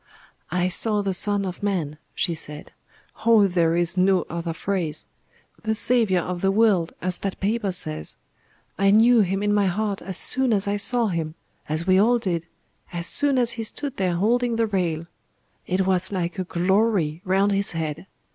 "I saw the Son of Man," she said. "Oh! there is no other phrase. The Saviour of the world, as that paper says. I knew Him in my heart as soon as I saw Him as we all did as soon as He stood there holding the rail. It was like a glory round his head.